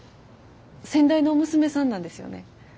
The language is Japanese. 先代の娘さんなんですよね。